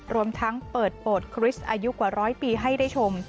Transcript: รวมทั้งเปิดโปรดคริสต์อายุกว่าร้อยปีให้ได้ชม